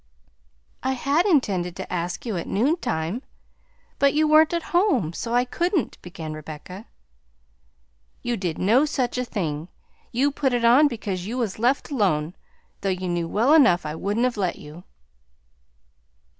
"I had intended to ask you at noontime, but you weren't at home, so I couldn't," began Rebecca. "You did no such a thing; you put it on because you was left alone, though you knew well enough I wouldn't have let you."